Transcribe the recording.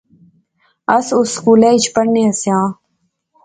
اس اس سکولا اچ پڑھنے آسے آں